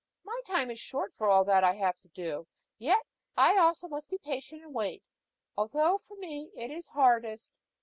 My time is short for all that I have to do, yet I also must be patient and wait, although for me it is hardest.